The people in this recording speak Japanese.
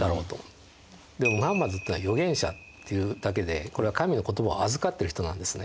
ムハンマドっていうのは預言者っていうだけでこれは神の言葉を預かってる人なんですね。